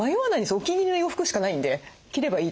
お気に入りの洋服しかないんで着ればいいと。